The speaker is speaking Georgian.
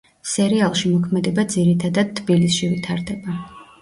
სერიალში მოქმედება ძირითადად თბილისში ვითარდება.